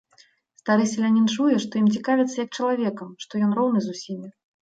Стары селянін чуе, што ім цікавяцца як чалавекам, што ён роўны з усімі.